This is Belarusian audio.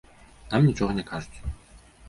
Нам нічога не кажуць.